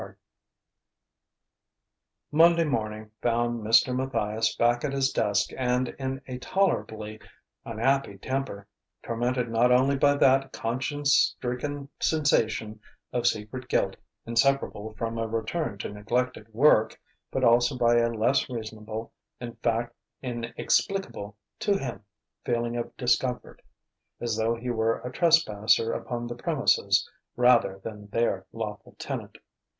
X Monday afternoon found Mr. Matthias back at his desk and in a tolerably unhappy temper, tormented not only by that conscience stricken sensation of secret guilt inseparable from a return to neglected work, but also by a less reasonable, in fact inexplicable (to him) feeling of discomfort; as though he were a trespasser upon the premises rather than their lawful tenant.